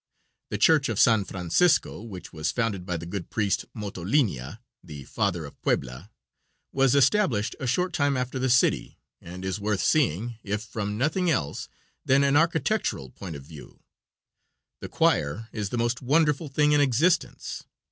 The Church of San Francisco, which was founded by the good priest, Motolinia, the father of Puebla, was established a short time after the city, and is worth seeing, if from nothing else than an architectural point of view. The choir is the most wonderful thing in existence.